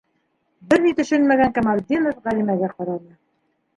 Бер ни төшөнмәгән Камалетдинов Ғәлимәгә ҡараны: